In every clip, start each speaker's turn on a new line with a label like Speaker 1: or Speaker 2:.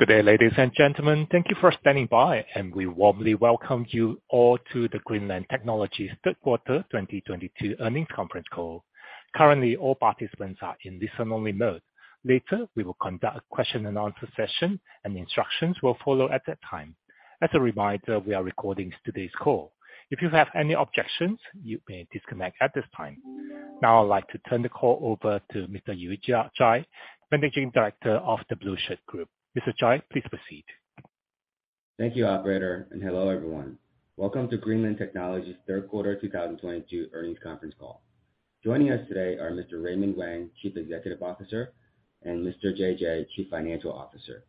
Speaker 1: Good day, ladies and gentlemen. Thank you for standing by, and we warmly welcome you all to the Greenland Technologies third quarter 2022 earnings conference call. Currently, all participants are in listen only mode. Later, we will conduct a question and answer session and instructions will follow at that time. As a reminder, we are recording today's call. If you have any objections, you may disconnect at this time. Now I'd like to turn the call over to Mr. Zhai, Managing Director of The Blueshirt Group. Mr. Zhai, please proceed.
Speaker 2: Thank you, operator, and hello, everyone. Welcome to Greenland Technologies third quarter 2022 earnings conference call. Joining us today are Mr. Raymond Wang, Chief Executive Officer, and Mr. Jing Jin, Chief Financial Officer.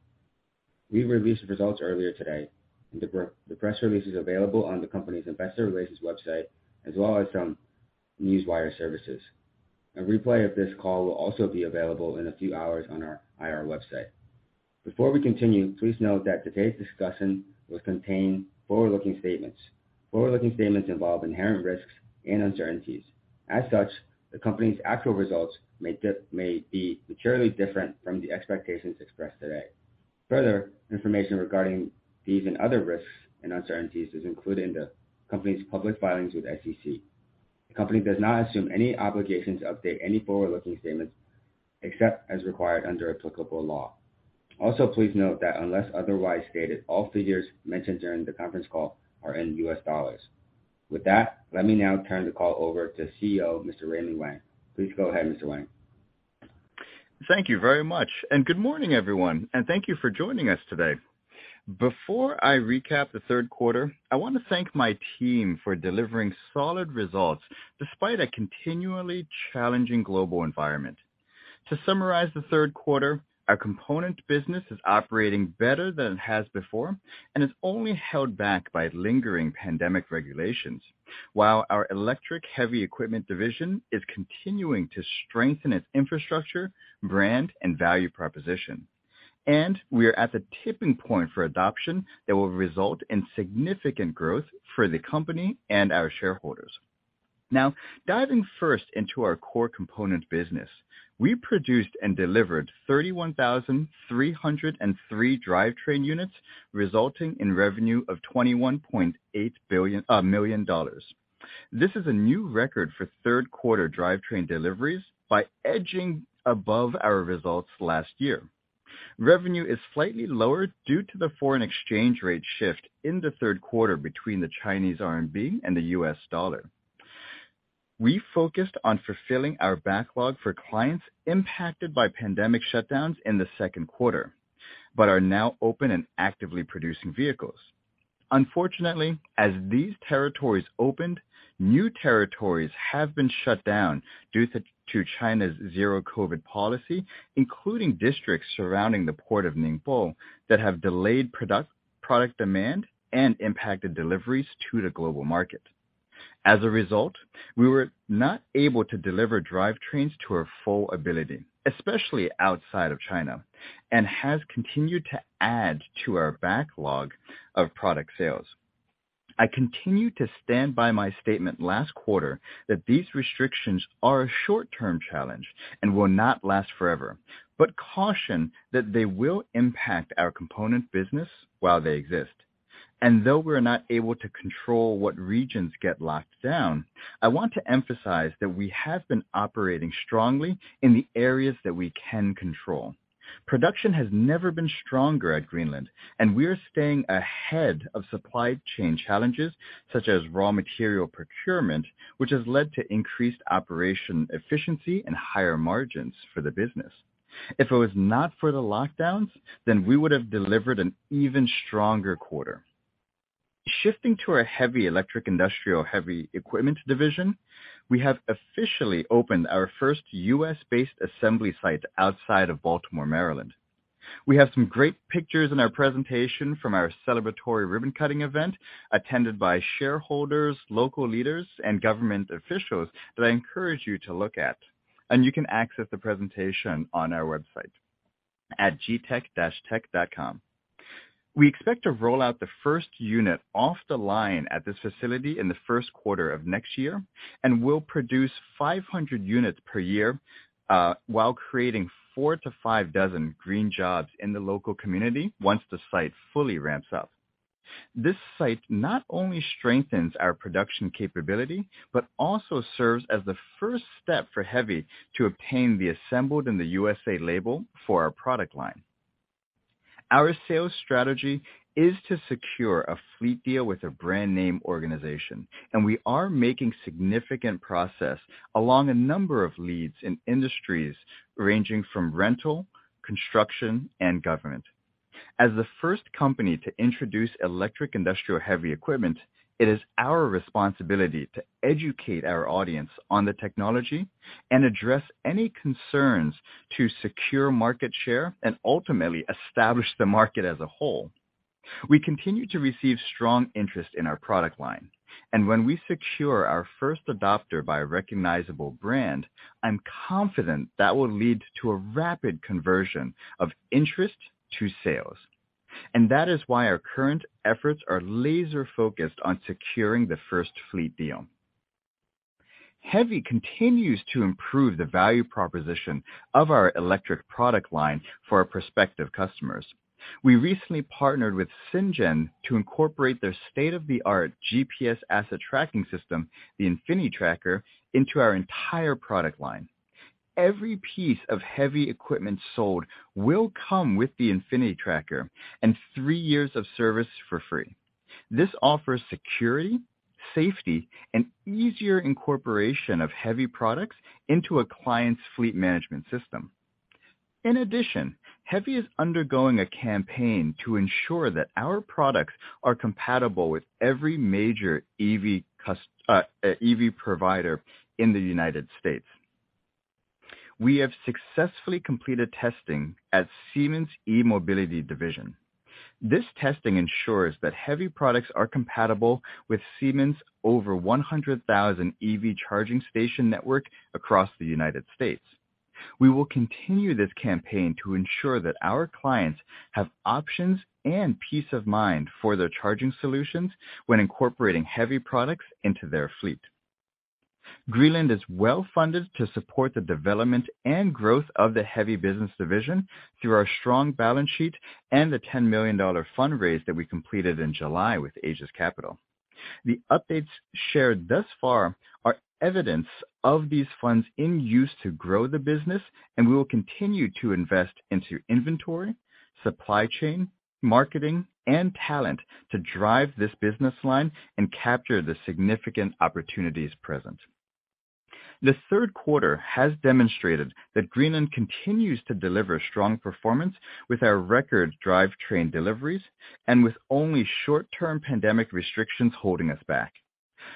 Speaker 2: We released results earlier today, and the press release is available on the company's investor relations website, as well as from Newswire Services. A replay of this call will also be available in a few hours on our IR website. Before we continue, please note that today's discussion will contain forward-looking statements. Forward-looking statements involve inherent risks and uncertainties. As such, the company's actual results may be materially different from the expectations expressed today. Further information regarding these and other risks and uncertainties is included in the company's public filings with SEC. The company does not assume any obligation to update any forward-looking statements except as required under applicable law. Also, please note that unless otherwise stated, all figures mentioned during the conference call are in U.S. dollars. With that, let me now turn the call over to CEO, Mr. Raymond Wang. Please go ahead, Mr. Wang.
Speaker 3: Thank you very much, and good morning, everyone, and thank you for joining us today. Before I recap the third quarter, I wanna thank my team for delivering solid results despite a continually challenging global environment. To summarize the third quarter, our component business is operating better than it has before and is only held back by lingering pandemic regulations. While our electric heavy equipment division is continuing to strengthen its infrastructure, brand and value proposition. We are at the tipping point for adoption that will result in significant growth for the company and our shareholders. Now, diving first into our core components business. We produced and delivered 31,303 drivetrain units, resulting in revenue of $21.8 million. This is a new record for third quarter drivetrain deliveries by edging above our results last year. Revenue is slightly lower due to the foreign exchange rate shift in the third quarter between the Chinese RMB and the US dollar. We focused on fulfilling our backlog for clients impacted by pandemic shutdowns in the second quarter, but are now open and actively producing vehicles. Unfortunately, as these territories opened, new territories have been shut down due to to China's zero-COVID policy, including districts surrounding the port of Ningbo that have delayed product demand and impacted deliveries to the global market. As a result, we were not able to deliver drivetrains to our full ability, especially outside of China, and has continued to add to our backlog of product sales. I continue to stand by my statement last quarter that these restrictions are a short-term challenge and will not last forever, but caution that they will impact our component business while they exist. Though we're not able to control what regions get locked down, I want to emphasize that we have been operating strongly in the areas that we can control. Production has never been stronger at Greenland, and we are staying ahead of supply chain challenges such as raw material procurement, which has led to increased operation efficiency and higher margins for the business. If it was not for the lockdowns, then we would have delivered an even stronger quarter. Shifting to our heavy electric industrial equipment division, we have officially opened our first U.S.-based assembly site outside of Baltimore, Maryland. We have some great pictures in our presentation from our celebratory ribbon-cutting event attended by shareholders, local leaders and government officials that I encourage you to look at, and you can access the presentation on our website at gtec-tech.com. We expect to roll out the first unit off the line at this facility in the first quarter of next year and will produce 500 units per year, while creating 4-5 dozen green jobs in the local community once the site fully ramps up. This site not only strengthens our production capability, but also serves as the first step for HEVI to obtain the Assembled in the USA label for our product line. Our sales strategy is to secure a fleet deal with a brand name organization, and we are making significant progress along a number of leads in industries ranging from rental, construction, and government. As the first company to introduce electric industrial heavy equipment, it is our responsibility to educate our audience on the technology and address any concerns to secure market share and ultimately establish the market as a whole. We continue to receive strong interest in our product line. When we secure our first adopter by a recognizable brand, I'm confident that will lead to a rapid conversion of interest to sales. That is why our current efforts are laser-focused on securing the first fleet deal. HEVI continues to improve the value proposition of our electric product line for our prospective customers. We recently partnered with Cyngn to incorporate their state-of-the-art GPS asset tracking system, the Infinitracker, into our entire product line. Every piece of HEVI equipment sold will come with the Infinitracker and three years of service for free. This offers security, safety, and easier incorporation of HEVI products into a client's fleet management system. In addition, HEVI is undergoing a campaign to ensure that our products are compatible with every major EV provider in the United States. We have successfully completed testing at Siemens eMobility division. This testing ensures that HEVI products are compatible with Siemens' over 100,000 EV charging station network across the United States. We will continue this campaign to ensure that our clients have options and peace of mind for their charging solutions when incorporating HEVI products into their fleet. Greenland is well-funded to support the development and growth of the HEVI business division through our strong balance sheet and the $10 million fundraise that we completed in July with Aegis Capital. The updates shared thus far are evidence of these funds in use to grow the business, and we will continue to invest into inventory, supply chain, marketing, and talent to drive this business line and capture the significant opportunities present. The third quarter has demonstrated that Greenland continues to deliver strong performance with our record drivetrain deliveries and with only short-term pandemic restrictions holding us back.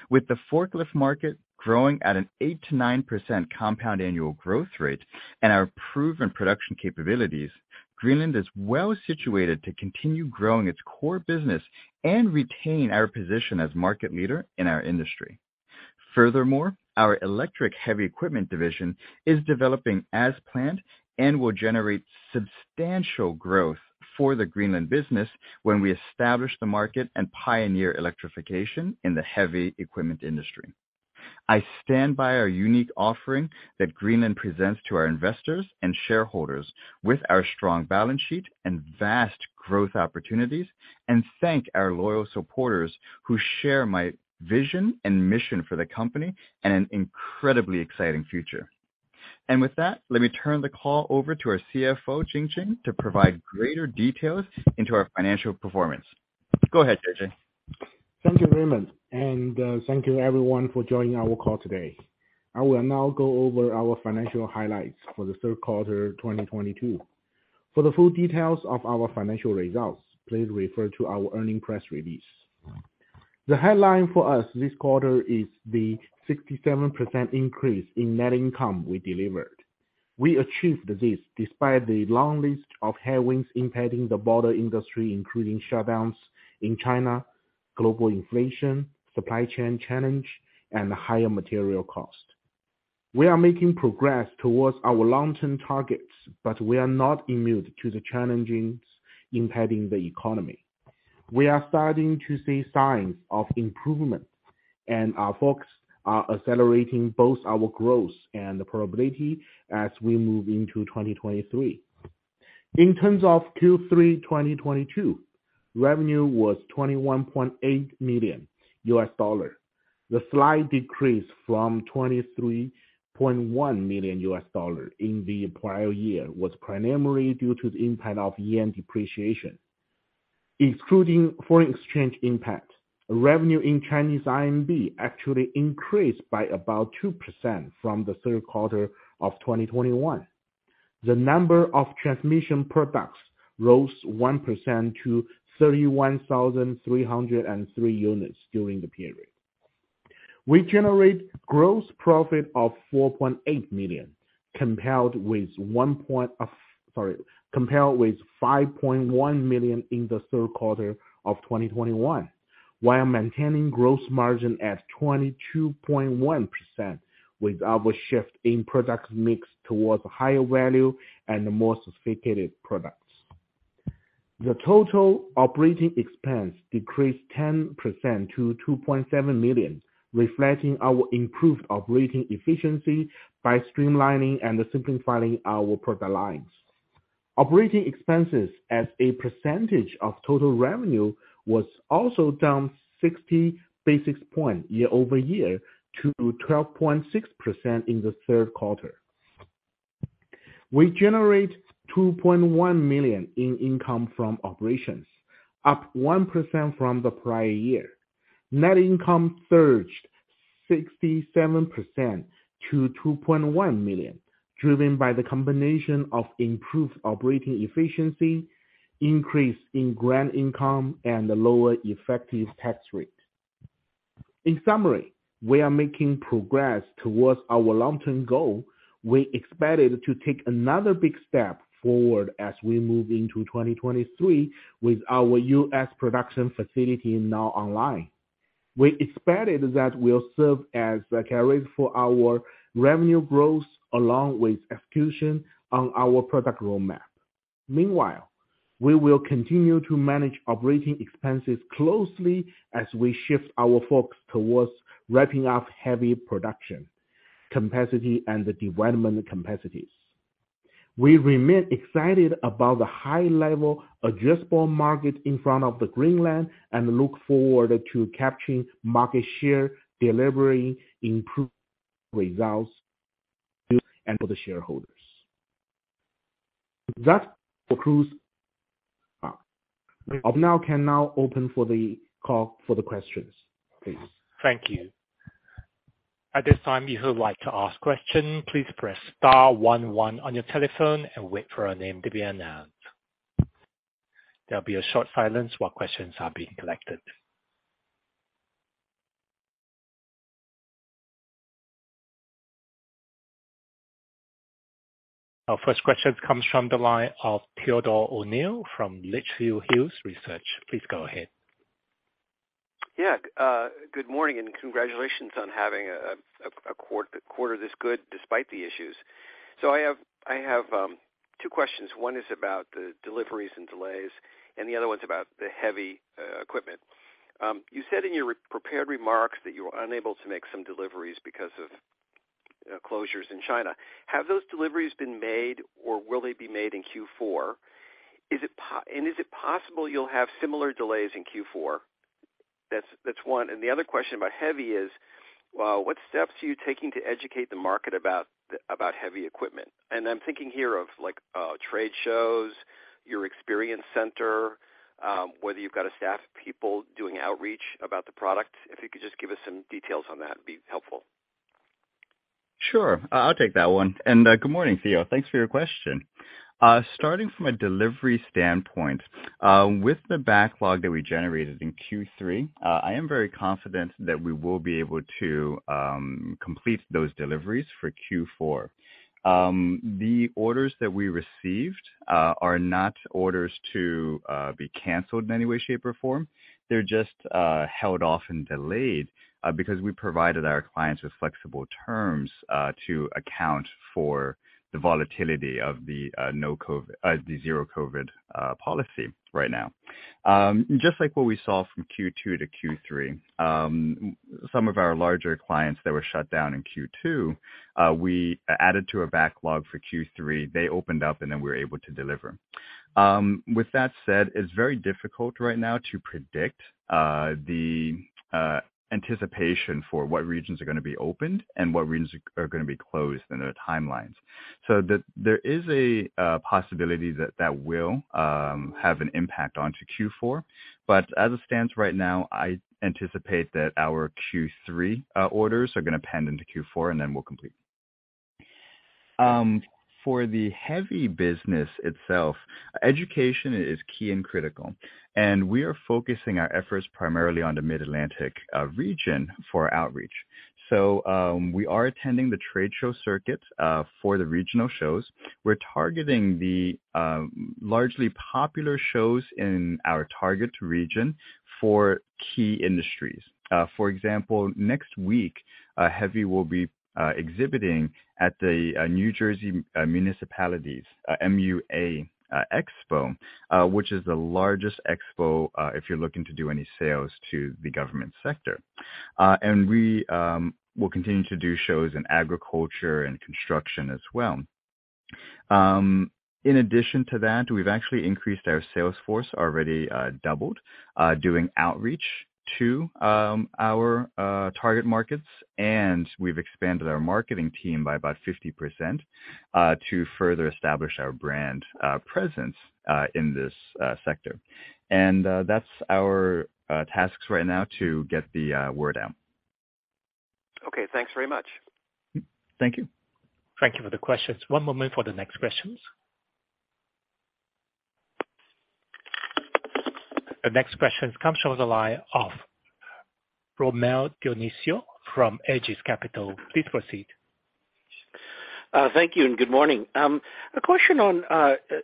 Speaker 3: With the forklift market growing at an 8%-9% compound annual growth rate and our proven production capabilities, Greenland is well situated to continue growing its core business and retain our position as market leader in our industry. Furthermore, our electric heavy equipment division is developing as planned and will generate substantial growth for the Greenland business when we establish the market and pioneer electrification in the heavy equipment industry. I stand by our unique offering that Greenland presents to our investors and shareholders with our strong balance sheet and vast growth opportunities, and thank our loyal supporters who share my vision and mission for the company in an incredibly exciting future. With that, let me turn the call over to our CFO, Jingjing, to provide greater details into our financial performance. Go ahead, Jingjing.
Speaker 4: Thank you, Raymond, and thank you everyone for joining our call today. I will now go over our financial highlights for the third quarter 2022. For the full details of our financial results, please refer to our earnings press release. The headline for us this quarter is the 67% increase in net income we delivered. We achieved this despite the long list of headwinds impacting the broader industry, including shutdowns in China, global inflation, supply chain challenge, and higher material cost. We are making progress towards our long-term targets, but we are not immune to the challenges impacting the economy. We are starting to see signs of improvement, and our folks are accelerating both our growth and profitability as we move into 2023. In terms of Q3 2022, revenue was $21.8 million. The slight decrease from $23.1 million in the prior year was primarily due to the impact of yen depreciation. Excluding foreign exchange impact, revenue in Chinese RMB actually increased by about 2% from the third quarter of 2021. The number of transmission products rose 1% to 31,303 units during the period. We generate gross profit of $4.8 million, compared with $5.1 million in the third quarter of 2021, while maintaining gross margin at 22.1% with our shift in product mix towards higher value and more sophisticated products. The total operating expense decreased 10% to $2.7 million, reflecting our improved operating efficiency by streamlining and simplifying our product lines. Operating expenses as a percentage of total revenue was also down 60 basis points year-over-year to 12.6% in the third quarter. We generate $2.1 million in income from operations, up 1% from the prior year. Net income surged 67% to $2.1 million, driven by the combination of improved operating efficiency, increase in grant income, and a lower effective tax rate. In summary, we are making progress towards our long-term goal. We expected to take another big step forward as we move into 2023 with our U.S. production facility now online. We expected that will serve as the catalyst for our revenue growth along with execution on our product roadmap. Meanwhile, we will continue to manage operating expenses closely as we shift our focus towards wrapping up heavy production capacity and the development capacities. We remain excited about the high-level addressable market in front of Greenland and look forward to capturing market share, delivering improved results and value for the shareholders. That concludes. Now we can open the call for questions, please.
Speaker 1: Thank you. At this time, if you would like to ask question, please press star one one on your telephone and wait for a name to be announced. There'll be a short silence while questions are being collected. Our first question comes from the line of Theodore O'Neill from Litchfield Hills Research. Please go ahead.
Speaker 5: Yeah. Good morning, and congratulations on having a quarter this good despite the issues. I have two questions. One is about the deliveries and delays, and the other one's about the HEVI equipment. You said in your prepared remarks that you were unable to make some deliveries because of closures in China. Have those deliveries been made or will they be made in Q4? Is it possible you'll have similar delays in Q4? That's one. The other question about HEVI is, what steps are you taking to educate the market about the HEVI equipment? I'm thinking here of like trade shows, your experience center, whether you've got staff people doing outreach about the product. If you could just give us some details on that, it'd be helpful.
Speaker 3: I'll take that one. Good morning, Theo. Thanks for your question. Starting from a delivery standpoint, with the backlog that we generated in Q3, I am very confident that we will be able to complete those deliveries for Q4. The orders that we received are not orders to be canceled in any way, shape, or form. They're just held off and delayed because we provided our clients with flexible terms to account for the volatility of the zero-COVID policy right now. Just like what we saw from Q2 to Q3, some of our larger clients that were shut down in Q2, we added to a backlog for Q3. They opened up, and then we were able to deliver. With that said, it's very difficult right now to predict the anticipation for what regions are gonna be opened and what regions are gonna be closed and the timelines. There is a possibility that will have an impact onto Q4. As it stands right now, I anticipate that our Q3 orders are gonna pend into Q4, and then we'll complete. For the heavy business itself, education is key and critical. We are focusing our efforts primarily on the Mid-Atlantic region for outreach. We are attending the trade show circuits for the regional shows. We're targeting the large popular shows in our target region for key industries. For example, next week, HEVI will be exhibiting at the New Jersey Municipalities MUA Expo, which is the largest expo if you're looking to do any sales to the government sector. We will continue to do shows in agriculture and construction as well. In addition to that, we've actually increased our sales force, already doubled, doing outreach to our target markets. We've expanded our marketing team by about 50% to further establish our brand presence in this sector. That's our tasks right now to get the word out.
Speaker 5: Okay. Thanks very much.
Speaker 3: Thank you.
Speaker 1: Thank you for the questions. One moment for the next questions. The next question comes from the line of Rommel Dionisio from Aegis Capital. Please proceed.
Speaker 6: Thank you and good morning. A question on,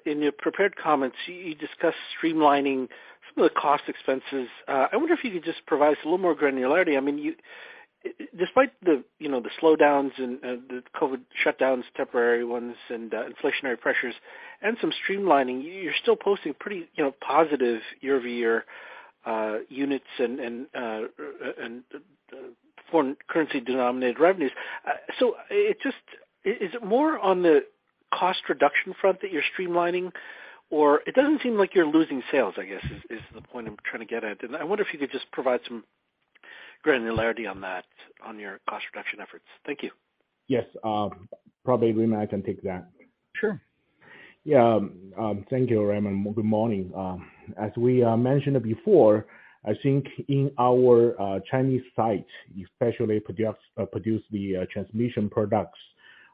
Speaker 6: in your prepared comments, you discussed streamlining some of the cost expenses. I wonder if you could just provide us a little more granularity. I mean, despite the, you know, the slowdowns and the COVID shutdowns, temporary ones and inflationary pressures and some streamlining, you're still posting pretty, you know, positive year-over-year units and foreign currency denominated revenues. So, is it more on the cost reduction front that you're streamlining? Or it doesn't seem like you're losing sales, I guess, is the point I'm trying to get at. I wonder if you could just provide some granularity on that, on your cost reduction efforts. Thank you.
Speaker 4: Yes. Probably, Raymond, I can take that.
Speaker 6: Sure.
Speaker 4: Yeah. Thank you, Raymond. Good morning. As we mentioned before, I think in our Chinese site, especially produce the transmission products,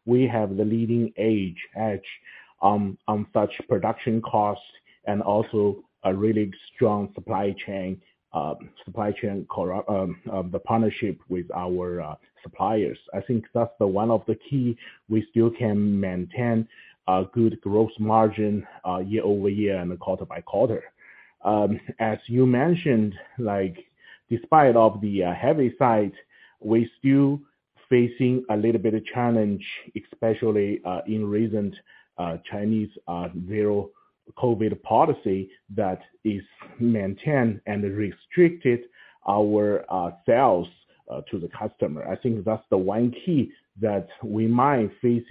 Speaker 4: we have the leading edge on such production costs and also a really strong supply chain, the partnership with our suppliers. I think that's one of the keys we still can maintain a good gross margin year over year and quarter by quarter. As you mentioned, like, despite the headwinds, we're still facing a little bit of challenge, especially in recent Chinese zero-COVID policy that is maintained and restricted our sales to the customer. I think that's one key that we might face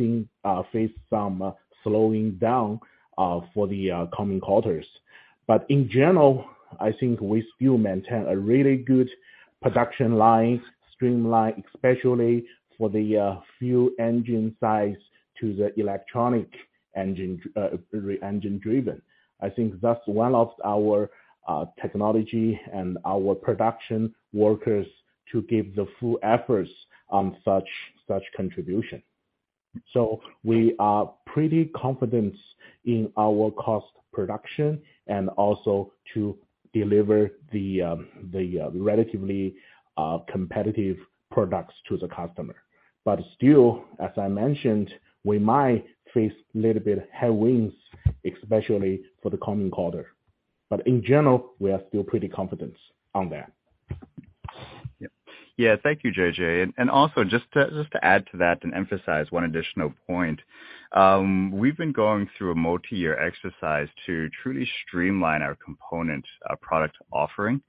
Speaker 4: some slowing down for the coming quarters. In general, I think we still maintain a really good production lines, streamline, especially for the fuel engine side to the electric engine drivetrain. I think that's one of our technology and our production workers to give the full efforts on such contribution. We are pretty confident in our cost production and also to deliver the relatively competitive products to the customer. Still, as I mentioned, we might face a little bit of headwinds, especially for the coming quarter. In general, we are still pretty confident on that.
Speaker 3: Yeah. Thank you, Jing Jin. Also just to add to that and emphasize one additional point, we've been going through a multi-year exercise to truly streamline our component product offering.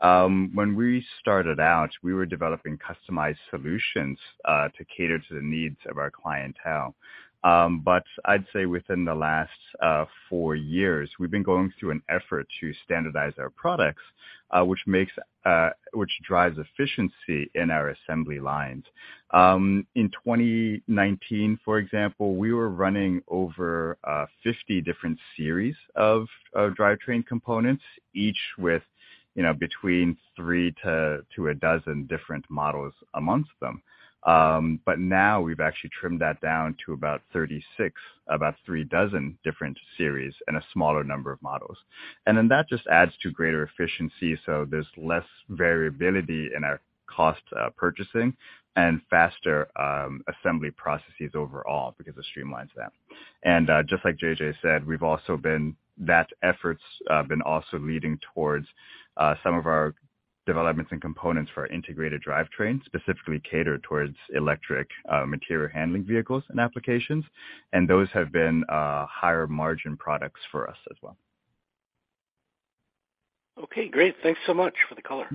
Speaker 3: When we started out, we were developing customized solutions to cater to the needs of our clientele. I'd say within the last four years, we've been going through an effort to standardize our products, which drives efficiency in our assembly lines. In 2019, for example, we were running over 50 different series of drivetrain components, each with, you know, between three to a dozen different models amongst them. Now we've actually trimmed that down to about 36, about three dozen different series and a smaller number of models. That just adds to greater efficiency, so there's less variability in our cost, purchasing and faster assembly processes overall because it streamlines that. Just like Jing Jin said, that effort's been also leading towards some of our developments and components for our integrated drivetrain, specifically catered towards electric material handling vehicles and applications. Those have been higher margin products for us as well.
Speaker 6: Okay, great. Thanks so much for the color.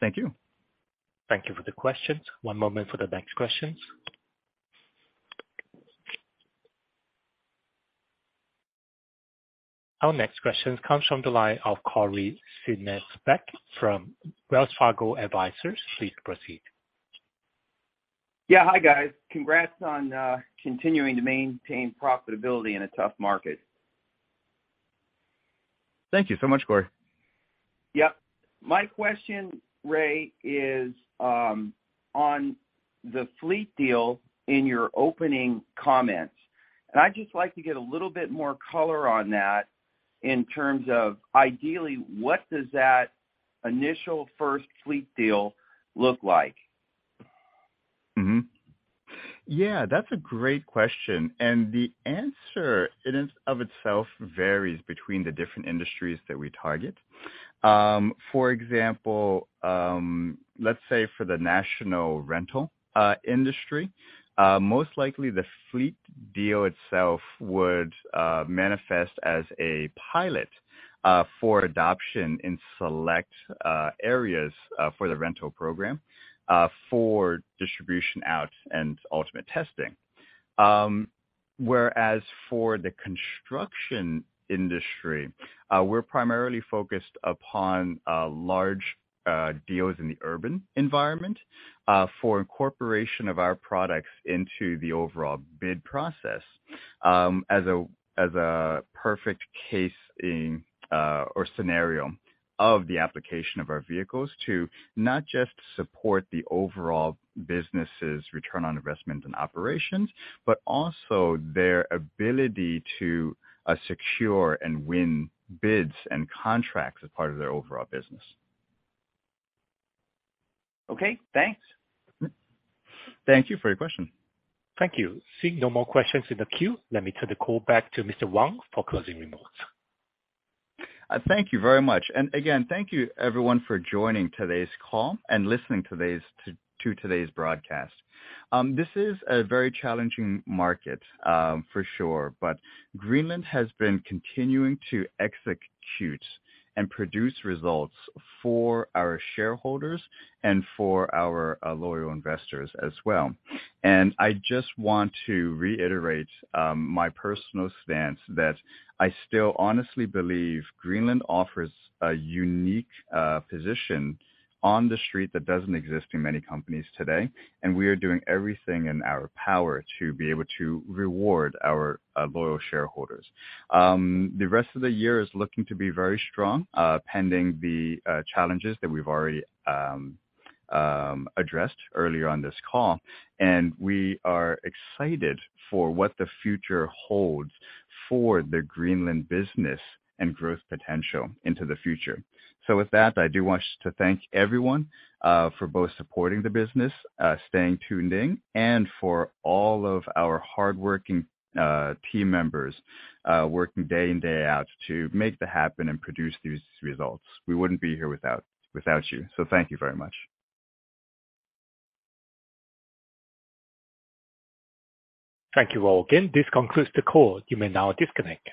Speaker 3: Thank you.
Speaker 1: Thank you for the questions. One moment for the next questions. Our next question comes from the line of Corey Aschenbach from Wells Fargo Advisors. Please proceed.
Speaker 7: Yeah. Hi, guys. Congrats on continuing to maintain profitability in a tough market.
Speaker 3: Thank you so much, Corey.
Speaker 7: Yep. My question, Ray, is on the fleet deal in your opening comments. I'd just like to get a little bit more color on that in terms of ideally, what does that initial first fleet deal look like?
Speaker 3: Yeah, that's a great question. The answer in and of itself varies between the different industries that we target. For example, let's say for the national rental industry, most likely the fleet deal itself would manifest as a pilot for adoption in select areas for the rental program for distribution out and ultimate testing. Whereas for the construction industry, we're primarily focused upon large deals in the urban environment for incorporation of our products into the overall bid process, as a perfect case or scenario of the application of our vehicles to not just support the overall business's return on investment and operations, but also their ability to secure and win bids and contracts as part of their overall business.
Speaker 7: Okay, thanks.
Speaker 3: Thank you for your question.
Speaker 1: Thank you. Seeing no more questions in the queue, let me turn the call back to Mr. Wang for closing remarks.
Speaker 3: Thank you very much. Again, thank you everyone for joining today's call and listening to today's broadcast. This is a very challenging market, for sure, but Greenland has been continuing to execute and produce results for our shareholders and for our loyal investors as well. I just want to reiterate my personal stance that I still honestly believe Greenland offers a unique position on the street that doesn't exist in many companies today, and we are doing everything in our power to be able to reward our loyal shareholders. The rest of the year is looking to be very strong, pending the challenges that we've already addressed earlier on this call, and we are excited for what the future holds for the Greenland business and growth potential into the future. With that, I do want just to thank everyone for both supporting the business, staying tuned in, and for all of our hardworking team members working day in, day out to make that happen and produce these results. We wouldn't be here without you. Thank you very much.
Speaker 1: Thank you all again. This concludes the call. You may now disconnect.